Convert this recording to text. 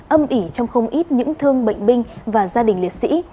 âm ỉ trong không ít những thương bệnh binh và gia đình liệt sĩ